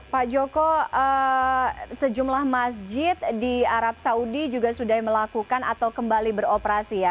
pak joko sejumlah masjid di arab saudi juga sudah melakukan atau kembali beroperasi ya